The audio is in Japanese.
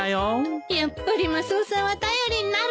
やっぱりマスオさんは頼りになるわね。